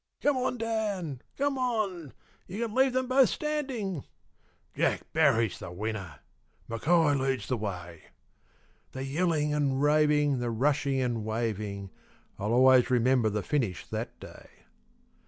"Come on, Dan! come on! you can leave them both standing!" "Jack Barry's the winner!" "Mackay leads the way!" The yelling and raving, the rushing and waving I'll always remember the finish that day.